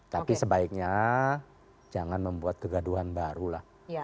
tapi sebaiknya jangan membuat kegaduhan baru lah